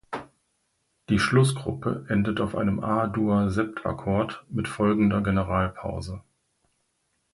Die Schlussgruppe endet auf einem A-Dur-Septakkord mit folgender Generalpause.